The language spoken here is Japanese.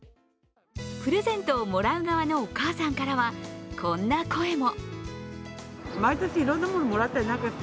プレゼントをもらう側のお母さんからは、こんな声も。